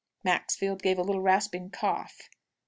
Maxfield gave a little rasping cough.